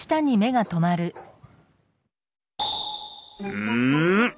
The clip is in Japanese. うん！？